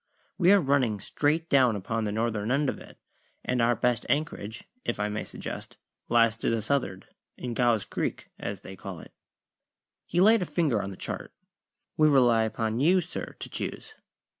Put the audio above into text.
"We are running straight down upon the northern end of it, and our best anchorage (if I may suggest) lies to the south'ard in Gow's Creek, as they call it." He laid a finger on the chart. "We rely upon you, sir, to choose."